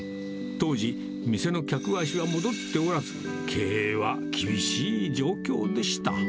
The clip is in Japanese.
当時、店の客足は戻っておらず、経営は厳しい状況でした。